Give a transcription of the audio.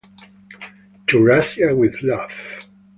To Russia with love.